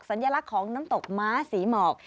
สัญลักษณ์ของน้ำตกม้าศรีหมอก